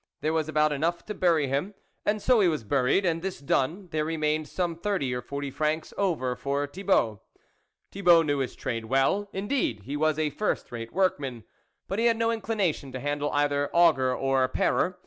There was about enough to bury him, so he was buried, and this done, there remained some thirty or forty francs over for Thibault. Thibault knew his trade well ; in deed, he was a first rate workman ; but he had no inclination to handle either auger or parer.